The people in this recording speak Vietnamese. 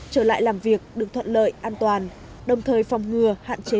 trở lại làm việc được thuận lợi an toàn đồng thời phòng ngừa hạn chế